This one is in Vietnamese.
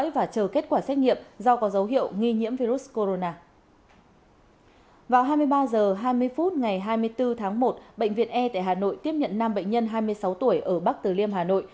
vào hai mươi ba h hai mươi phút ngày hai mươi bốn tháng một bệnh viện e tại hà nội tiếp nhận năm bệnh nhân hai mươi sáu tuổi ở bắc tử liêm hà nội